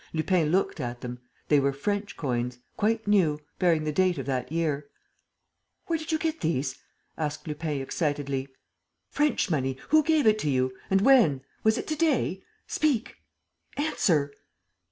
Lupin looked at them. They were French coins, quite new, bearing the date of that year. "Where did you get these?" asked Lupin, excitedly. "French money! ... Who gave it you? ... And when? ... Was it to day? Speak! ... Answer!